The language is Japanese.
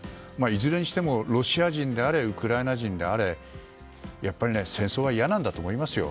いずれにしても、ロシア人であれウクライナ人であれやっぱり戦争は嫌なんだと思いますよ。